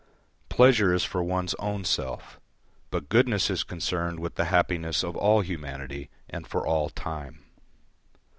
Pleasure is for one's own self, but goodness is concerned with the happiness of all humanity and for all time.